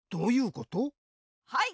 はい！